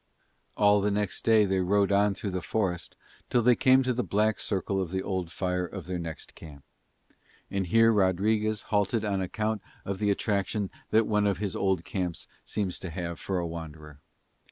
All the next day they rode on through the forest, till they came to the black circle of the old fire of their next camp. And here Rodriguez halted on account of the attraction that one of his old camps seems to have for a wanderer.